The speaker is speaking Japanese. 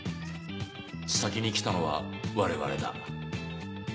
「先に来たのは我々だ」。